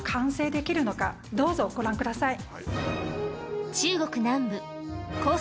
どうぞご覧ください。